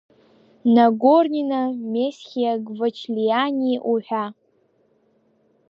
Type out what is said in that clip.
Нагорнина, Месхиа, Гвачлиани уҳәа.